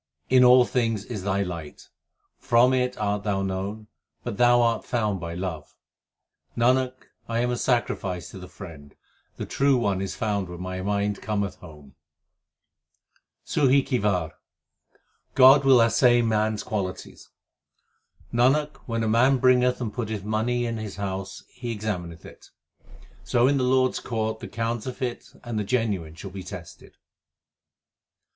In all things is Thy light ; from it art Thou known, but Thou art found by love. Nanak, I am a sacrifice to the Friend ; the True One is found when my mind cometh home. 1 Also translated animals beg of Thee. 344 THE SIKH RELIGION SUHI KI WAR God will assay man s qualities : Nanak when a man bringeth and putteth money in his house he examineth it ; So in the Lord s court the counterfeit and the genuine shall be tested.